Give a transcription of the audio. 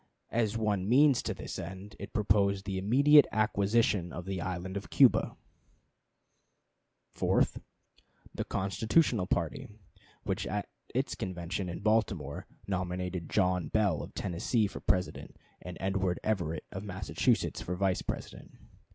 As one means to this end, it proposed the immediate acquisition of the island of Cuba. Fourth. The Constitutional Union party, which in its convention at Baltimore nominated John Bell, of Tennessee, for President, and Edward Everett, of Massachusetts, for Vice President.